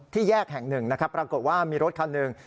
ที่แยกแห่งหนึ่งปรากฏว่ามีรถคันหนึ่ง